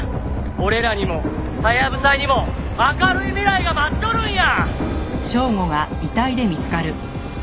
「俺らにもハヤブサにも明るい未来が待っとるんや！」